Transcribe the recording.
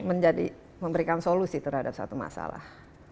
menjadi memberikan solusi terhadap satu masalah